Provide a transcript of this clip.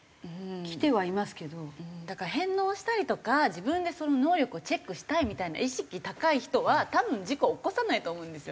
だから返納したりとか自分でその能力をチェックしたいみたいな意識高い人は多分事故起こさないと思うんですよ。